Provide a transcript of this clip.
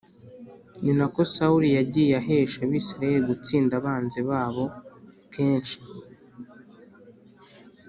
Ni na ko sawuli yagiye ahesha abisirayeli gutsinda abanzi babo kenshi